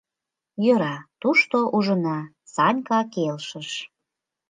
— Йӧра... тушто ужына, — Санька келшыш.